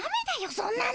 そんなの。